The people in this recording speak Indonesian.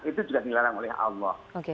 itu juga dilarang oleh allah